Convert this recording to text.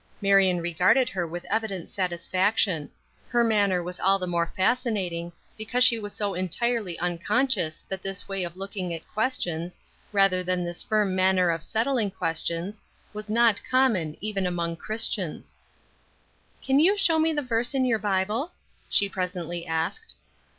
Marion regarded her with evident satisfaction; her manner was all the more fascinating, because she was so entirely unconscious that this way of looking at questions, rather than this firm manner of settling questions, was not common, even among Christians. "Can you show me the verse in your Bible?" she presently asked.